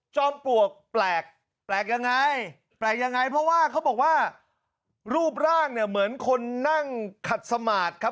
ปลวกแปลกแปลกยังไงแปลกยังไงเพราะว่าเขาบอกว่ารูปร่างเนี่ยเหมือนคนนั่งขัดสมาธิครับ